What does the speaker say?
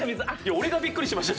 俺がびっくりしました。